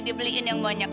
dia beliin yang banyak